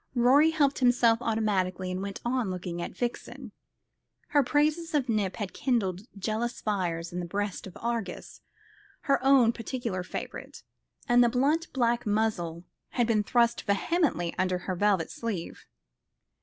Rorie helped himself automatically, and went on looking at Vixen. Her praises of Nip had kindled jealous fires in the breast of Argus, her own particular favourite; and the blunt black muzzle had been thrust vehemently under her velvet sleeve.